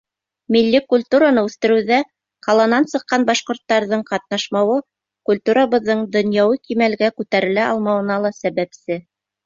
Милли культураны үҫтереүҙә ҡаланан сыҡҡан башҡорттарҙың ҡатнашмауы культурабыҙҙың донъяуи кимәлгә күтәрелә алмауына ла сәбәпсе.